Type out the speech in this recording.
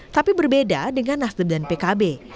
tapi berbeda dengan nasdem dan pkb